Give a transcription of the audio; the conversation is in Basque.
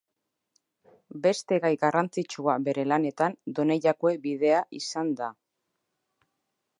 Beste gai garrantzitsua bere lanetan Donejakue bidea izan da.